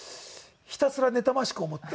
ひたすら妬ましく思って。